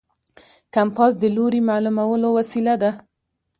کمپاس د لوري معلومولو وسیله ده.